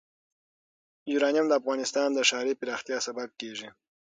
یورانیم د افغانستان د ښاري پراختیا سبب کېږي.